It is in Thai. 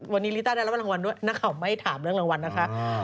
วันนี้ลิต้าได้รับรางวัลด้วยนักข่าวไม่ถามเรื่องรางวัลนะคะ